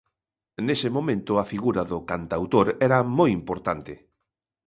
Nese momento a figura do cantautor era moi importante.